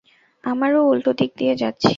আমরাও উল্টোদিক দিয়ে যাচ্ছি।